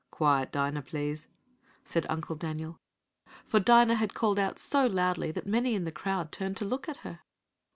"Quiet, Dinah, please," said Uncle Daniel. For Dinah had called out so loudly that many in the crowd turned to look at her.